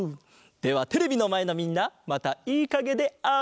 ではテレビのまえのみんなまたいいかげであおう！